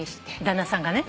旦那さんがね？